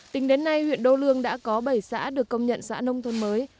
tính đến nay huyện đô lương đã có bảy xã được công nhận xã nông thôn mới